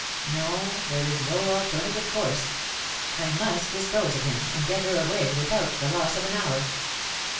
No ; there is no alter native course. I must dispose of him^ and get her away, without the loss of an hour.